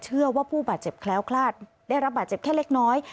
เชื่อว่าผู้บาดเจ็บแคล้วคลาดได้รับบาดเจ็บแค่เล็กน้อย